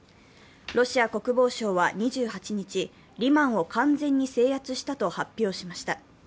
ロシア国防省は２８日、リマンを完全に制圧したと発表しました。